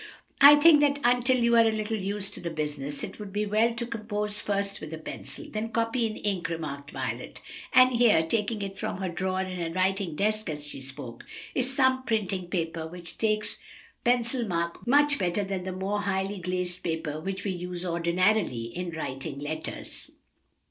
"I think that until you are a little used to the business, it would be well to compose first with a pencil, then copy in ink," remarked Violet. "And here," taking it from a drawer in her writing desk, as she spoke, "is some printing paper which takes pencil mark much better than the more highly glazed paper which we use ordinarily in writing letters."